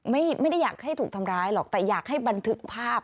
ไม่ได้อยากให้ถูกทำร้ายหรอกแต่อยากให้บันทึกภาพ